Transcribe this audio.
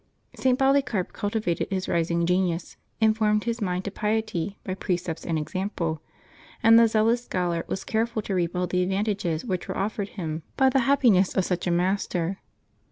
St. Polycarp cultivated his rising genius, and formed his mind to piety by precepts and example; and the zealous scholar was careful to reap all the advantages which were offered him by the happi 232 LIVES OF THE SAINTS [June 29 nees of sucli a master.